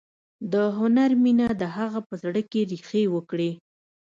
د هنر مینه د هغه په زړه کې ریښې وکړې